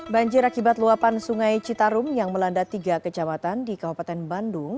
banjir akibat luapan sungai citarum yang melanda tiga kecamatan di kabupaten bandung